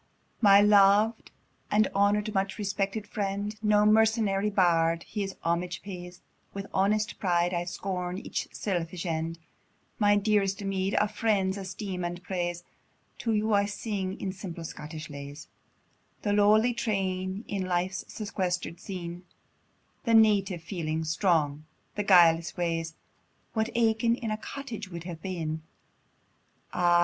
My lov'd, my honour'd, much respected friend! No mercenary bard his homage pays; With honest pride, I scorn each selfish end, My dearest meed, a friend's esteem and praise: To you I sing, in simple Scottish lays, The lowly train in life's sequester'd scene, The native feelings strong, the guileless ways, What Aiken in a cottage would have been; Ah!